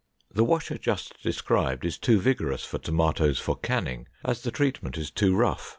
The washer just described is too vigorous for tomatoes for canning, as the treatment is too rough.